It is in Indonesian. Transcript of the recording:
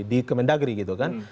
di kemendagri gitu kan